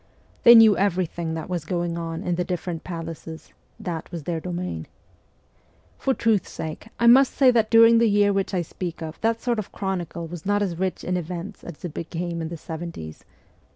They knew everything that was going on in the different palaces that was their domain. For truth's sake, I must say that during the year which I speak of that sort of chronicle was not as rich in events as it became in the seventies.